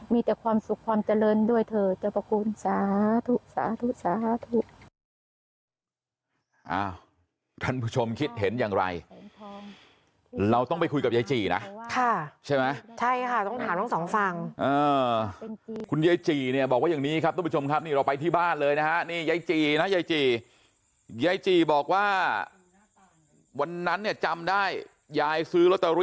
มีแต่ความสุขความเจริญด้วยเถอะเจ้าพระคุณสาธุสาธุสาธุ